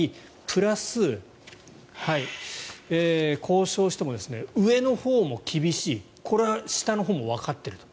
プラス交渉しても上のほうも厳しいこれは下のほうもわかっていると。